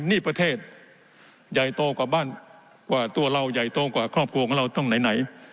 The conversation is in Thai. นี่ประเทศใหญ่โตกว่าบ้านกว่าตัวเราใหญ่โตกว่าครอบครัวของเราต้องไหน